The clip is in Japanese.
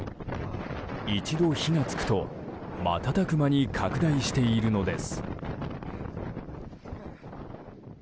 一度火が付くと瞬く間に拡大しているのです。